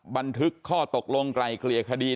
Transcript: บันทึกข้อตกลงไกลเกลี่ยคดี